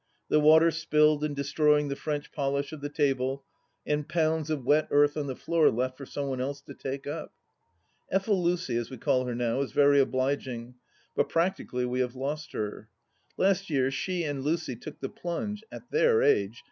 The water spilled, and destroying the french polish of the tables, and pounds of wet earth on the floor left for some one else to take up. ... Effel Lucy, as we call her now, is very obliging, but practically we have lost her. Last year she and Lucy took the plunge (at their age